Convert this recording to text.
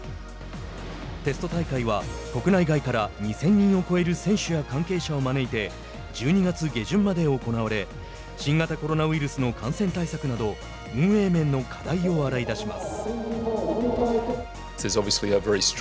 テスト大会は国内外から２０００人を超える選手や関係者を招いて１２月下旬まで行われ新型コロナウイルスの感染対策など運営面の課題を洗い出します。